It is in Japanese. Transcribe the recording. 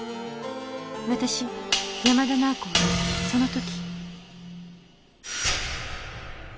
私山田奈緒子はその時